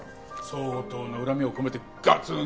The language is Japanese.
相当な恨みを込めてガツン！